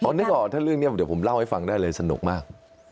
นึกก่อนถ้าเรื่องนี้เดี๋ยวผมเล่าให้ฟังได้เลยสนุกมาก